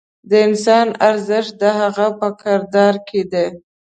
د انسان ارزښت د هغه په کردار کې دی.